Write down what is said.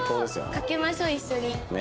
賭けましょう一緒に。